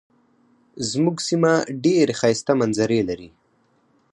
زمونږ سیمه ډیرې ښایسته منظرې لري.